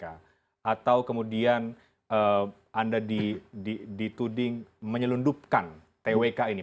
atau kemudian anda dituding menyelundupkan twk ini